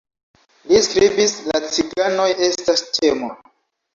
Li skribis "La ciganoj estas temo.